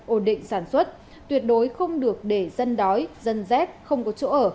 ổn định sản xuất tuyệt đối không được để dân đói dân dép không có chỗ ở